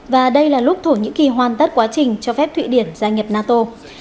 và đây là lúc thổ nhĩ kỳ hoàn tất quá trình cho phép thụy điển gia nhập nato